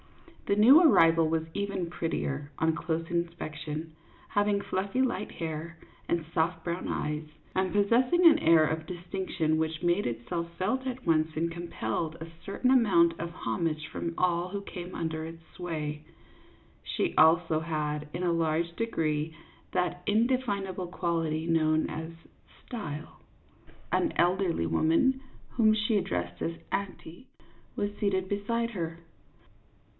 The new arrival was even prettier on close in spection, having fluffy light hair and soft brown eyes, and possessing an air of distinction which made itself felt at once and compelled a certain amount of homage from all who came under its sway ; she also had, in a large degree, that indefin able quality known as style. An elderly woman, whom she addressed as " auntie," was seated beside her.